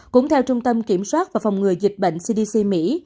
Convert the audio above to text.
cũng theo trung tâm kiểm soát và phòng ngừa dịch bệnh cdc mỹ